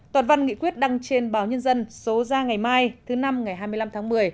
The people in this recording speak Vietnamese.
toàn văn nghị quyết đăng trên báo nhân dân số ra ngày mai thứ năm ngày hai mươi năm tháng một mươi